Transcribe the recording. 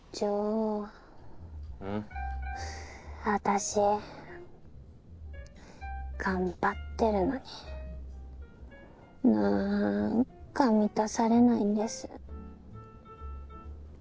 私頑張ってるのになんか満たされないんです。